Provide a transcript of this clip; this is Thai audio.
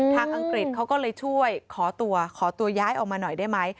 อังกฤษเขาก็เลยช่วยขอตัวขอตัวย้ายออกมาหน่อยได้ไหม